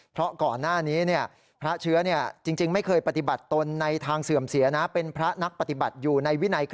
เพราะก่อนหน้านี้พระเชื้อจริงไม่เคยปฏิบัติตนในทางเสื่อมเสียน